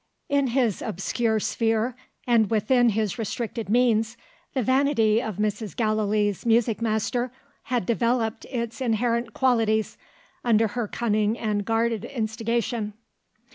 In his obscure sphere, and within his restricted means, the vanity of Mrs. Gallilee's music master had developed its inherent qualities, under her cunning and guarded instigation.